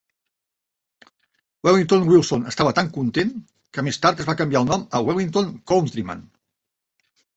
Wellington Wilson estava tan content que més tard es va canviar el nom a Wellington Countryman.